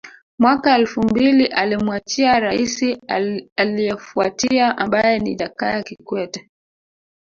Mwaka elfu mbili alimwachia Raisi aliefuatia ambaye ni Jakaya Kikwete